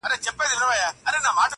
نن یې زما په غاړه خون دی نازوه مي -